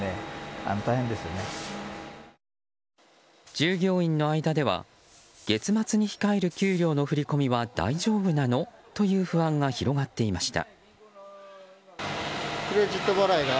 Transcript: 従業員の間では月末に控える給料の振り込みは大丈夫なの？という不安が広がっていました。